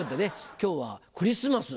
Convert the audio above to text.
今日はクリスマス